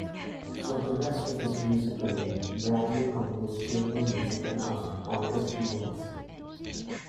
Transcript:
For the rest of his music career, Bradley composed chamber music and orchestral works.